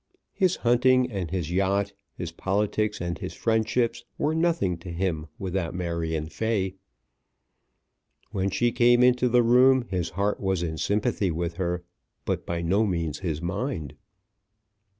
His hunting and his yacht, his politics and his friendships, were nothing to him without Marion Fay. When she came into the room, his heart was in sympathy with her, but by no means his mind.